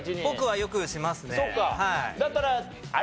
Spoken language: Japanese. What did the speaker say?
僕はよくしますね。